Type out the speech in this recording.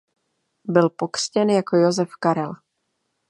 Byl pokřtěn jako Josef Karel.